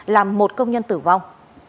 làm một công nhân tử vong